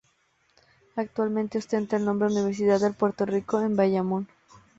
Actualmente ostenta el nombre Universidad de Puerto Rico en Bayamón.